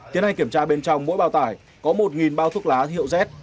tiến hành kiểm tra bên trong mỗi bao tải có một bao thuốc lá hiệu z